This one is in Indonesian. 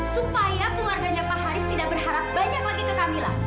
supaya keluarganya pak haris tidak berharap banyak lagi ke kami lah